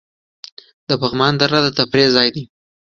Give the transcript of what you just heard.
د پغمان دره د تفریح ځای دی